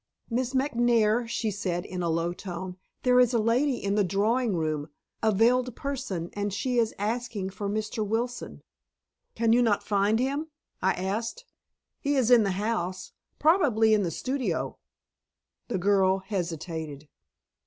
"Miss McNair," she said in a low tone. "There is a lady in the drawing room, a veiled person, and she is asking for Mr. Wilson." "Can you not find him?" I asked. "He is in the house, probably in the studio." The girl hesitated.